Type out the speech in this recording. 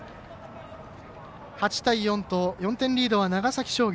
８対４と４点リードは長崎商業。